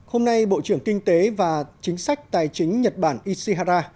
hôm nay bộ trưởng kinh tế và chính sách tài chính nhật bản ishihara